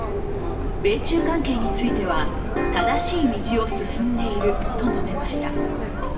米中関係については、正しい道を進んでいると述べました。